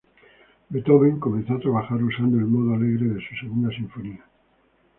Beethoven comenzó a trabajar, usando el modo alegre de su Segunda Sinfonía.